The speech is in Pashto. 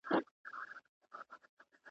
ستا سترګې د سوات د طبیعي ښکلا په څېر دي.